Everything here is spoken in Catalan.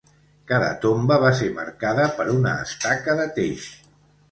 Cada tomba va ser marcada per una estaca de teix.